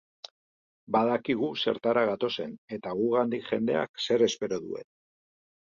Badakigu zertara gatozen eta gugandik jendeak zer espero duen.